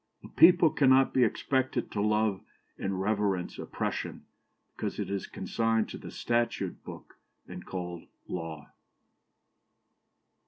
" "A people cannot be expected to love and reverence oppression because it is consigned to the statute book, and called law."